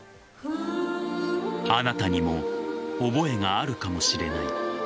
あなたにも覚えがあるかもしれない。